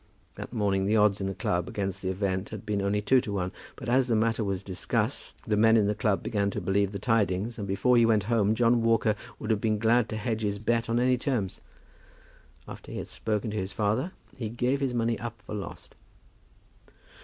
That morning the odds in the club against the event had been only two to one. But as the matter was discussed, the men in the club began to believe the tidings, and before he went home, John Walker would have been glad to hedge his bet on any terms. After he had spoken to his father, he gave his money up for lost.